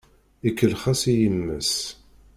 Ikellex-as i yemma-s.